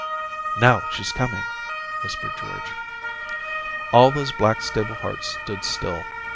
* Now she's coming/ whispered George. All those Blackstable hearts stood still.